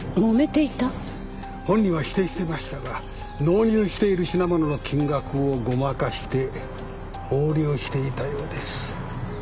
本人は否定してましたが納入している品物の金額をごまかして横領していたようです。